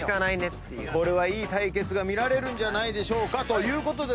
これはいい対決が見られるんじゃないでしょうかということで。